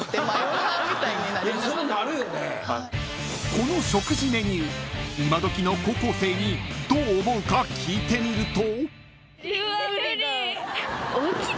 ［この食事メニュー今どきの高校生にどう思うか聞いてみると］